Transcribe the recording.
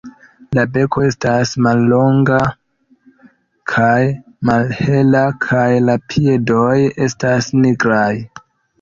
La beko estas mallonga kaj malhela kaj la piedoj estas nigraj.